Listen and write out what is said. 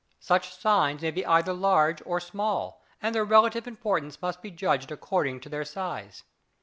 Such signs may be either large or small, and their relative importance must be judged according to their size.